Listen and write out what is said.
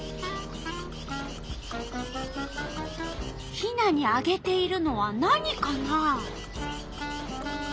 ヒナにあげているのは何かな？